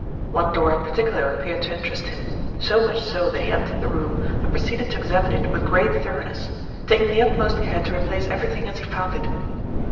One door in particular appeared to interest him, so much so that he entered the room and proceeded to examine it with great thoroughness, taking the utmost care to replace everything as he found it.